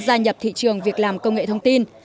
gia nhập thị trường việc làm công nghệ thông tin